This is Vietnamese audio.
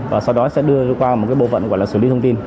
và sau đó sẽ đưa qua một cái bộ phận gọi là xử lý thông tin